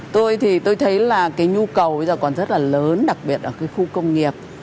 tôi thì tôi thấy là cái nhu cầu bây giờ còn rất là lớn đặc biệt ở cái khu công nghiệp